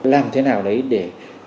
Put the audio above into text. làm thế nào đấy để